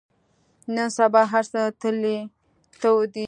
نن سبا هر څه تلې تودې دي.